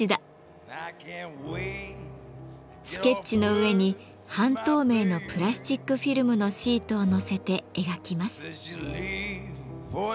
スケッチの上に半透明のプラスチックフィルムのシートを載せて描きます。